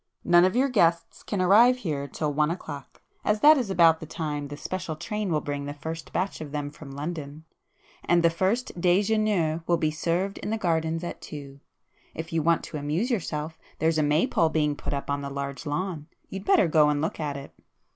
"None of your guests can arrive here till one o'clock,—as [p 262] that is about the time the special train will bring the first batch of them from London,—and the first 'déjeuner' will be served in the gardens at two. If you want to amuse yourself there's a Maypole being put up on the large lawn,—you'd better go and look at it."